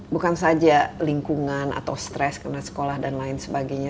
bukan saja lingkungan atau stres karena sekolah dan lain sebagainya